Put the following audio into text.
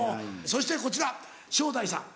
そしてこちら正代さん。